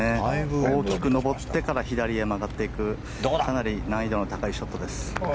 大きく登ってから左へ曲がっていくかなり難易度の高いショットです。